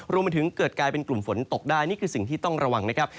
รวมไปถึงเกิดกลายเป็นกลุ่มฝนตกได้นี่คือสิ่งที่ต้องระวังนะครับ